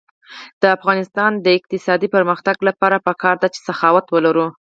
د افغانستان د اقتصادي پرمختګ لپاره پکار ده چې سخاوت ولرو.